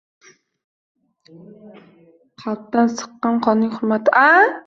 Qalbdan silqqan qonning hurmati